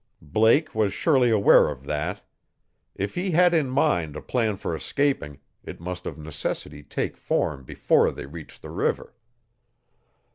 Blake was surely aware of that. If he had in mind a plan for escaping it must of necessity take form before they reached the river.